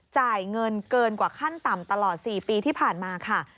จ่ายเงินเกินกว่าขั้นต่ำตลอด๔ปีที่ผ่านมาค่ะ